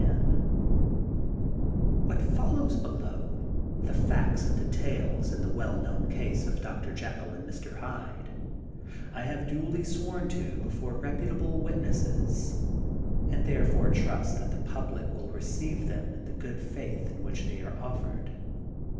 4 The Untold Sequel of What follows below, the facts and details in the well known case of Dr. Jekyll and Mr. Hyde, I have duly sworn to before re putable witnesses, and therefore trust that the public will receive them in the good faith in which they are oflfered.